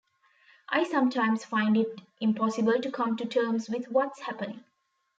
I sometimes find it impossible to come to terms with what's happening.